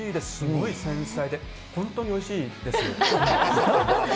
すごい繊細で、本当においしいです。